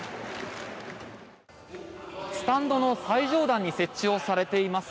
スタンドの最上段に設置されています